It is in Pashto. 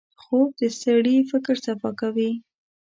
خوب د سړي فکر صفا کوي